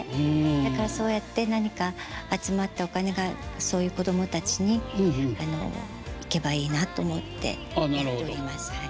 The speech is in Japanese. だからそうやって何か集まったお金がそういう子供たちにいけばいいなと思って。